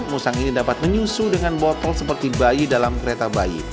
musang ini dapat menyusu dengan botol seperti bayi dalam kereta bayi